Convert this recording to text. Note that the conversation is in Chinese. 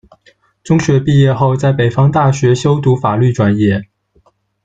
中学毕业后在北方大学修读法律专业。